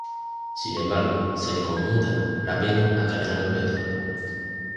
Sin embargo, se le conmuta la pena a cadena perpetua.